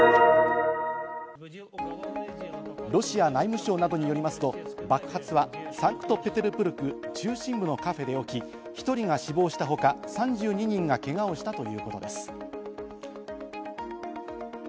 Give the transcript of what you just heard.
ロシア内務省などによりますと、爆発はサンクトペテルブルク中心部のカフェで起き、１人が死亡したほか、３２人がけがをしたということです。